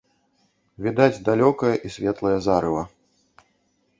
Відаць далёкае і светлае зарыва.